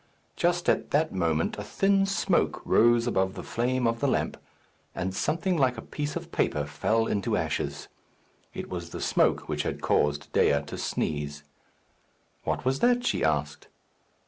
Just at that moment a thin smoke rose above the flame of the lamp, and something like a piece of paper fell into ashes. It was the smoke which had caused Dea to sneeze. "What was that?" she asked.